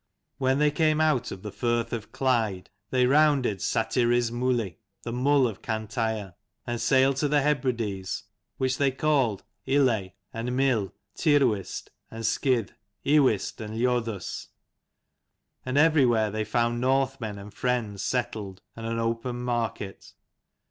182 When they came out of the firth of Clyde they rounded Satiri's muli, the Mull of Cantire : and sailed to the Hebrides, which they called Il ey and Myl, Tyrwist and Skidh, Iwist and Liodhus; and everywhere they found Northmen and friends settled, and an open market.